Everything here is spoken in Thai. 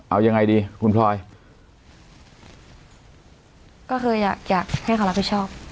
เอายังไงดีคุณพลอยก็คืออยากอยากให้เขารับผิดชอบ